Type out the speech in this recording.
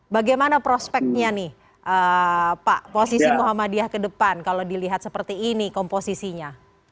bagaimana prospeknya nih pak posisi muhammadiyah ke depan kalau dilihat seperti ini komposisinya